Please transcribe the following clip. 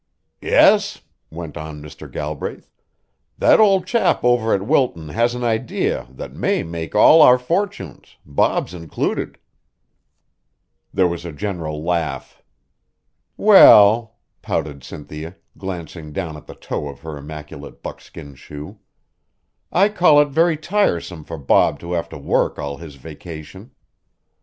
"Yes," went on Mr. Galbraith, "that old chap over at Wilton has an idea that may make all our fortunes, Bob's included." There was a general laugh. "Well," pouted Cynthia, glancing down at the toe of her immaculate buckskin shoe, "I call it very tiresome for Bob to have to work all his vacation."